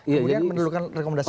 kemudian mendudukan rekomendasi